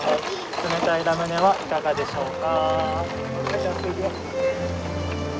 冷たいラムネはいかがでしょうか？